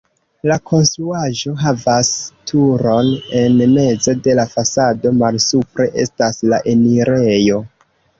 La konstruaĵo havas turon en mezo de la fasado, malsupre estas la enirejo.